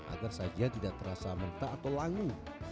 agar sajian tidak terasa mentah atau langu